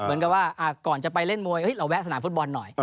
เหมือนกับว่าก่อนจะไปเล่นมวยเราแวะสนามฟุตบอลหน่อย